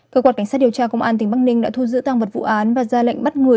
cơ quan cảnh sát điều tra công an tỉnh bắc ninh đã thu giữ tăng vật vụ án và ra lệnh bắt người